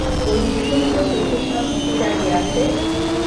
ওর বিস্ফারিত চোখের সামনে কে দাঁড়িয়ে আছে?